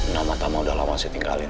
nama nama udah lama sih tinggalin